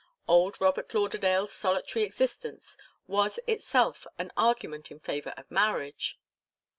Old Robert Lauderdale's solitary existence was itself an argument in favour of marriage.